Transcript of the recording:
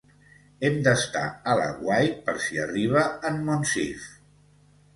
Hem d'estar a l'aguait per si arriba en Monsif.